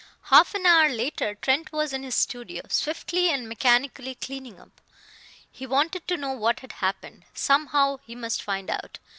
Half an hour later Trent was in his studio, swiftly and mechanically "cleaning up." He wanted to know what had happened; somehow he must find out.